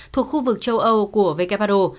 thuộc khu vực châu âu của vkpado